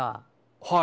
はい。